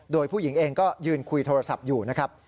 โดยผู้หญิงเองก็ยืนคุยโทรศัพท์อยู่นะครับ